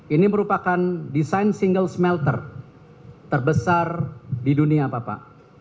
ini merupakan desain single smelter terbesar di dunia bapak